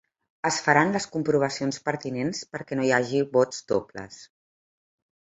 Es faran les comprovacions pertinents perquè no hi hagi vots dobles.